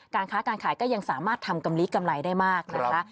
การค้าการขายก็ยังสามารถทำกำลิกำไรได้มากนะคะ